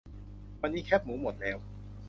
วันนี้แคบหมูหมดแล้ว